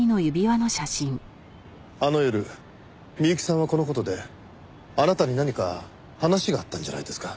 あの夜美由紀さんはこの事であなたに何か話があったんじゃないですか？